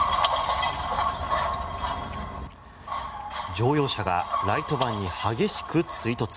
乗用車がライトバンに激しく追突。